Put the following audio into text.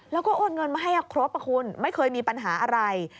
แล้วก็โอนเงินมาให้ครบคุณไม่เคยมีปัญหาอะไร